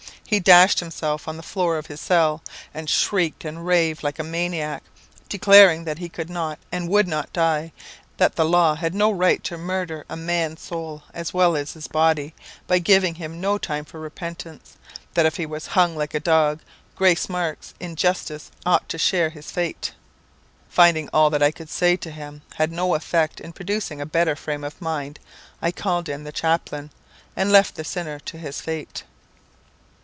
He dashed himself on the floor of his cell, and shrieked and raved like a maniac, declaring that he could not, and would not die; that the law had no right to murder a man's soul as well as his body, by giving him no time for repentance; that if he was hung like a dog, Grace Marks, in justice, ought to share his fate. Finding that all I could say to him had no effect in producing a better frame of mind I called in the chaplain, and left the sinner to his fate.